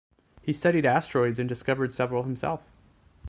He studied asteroids and discovered several himself.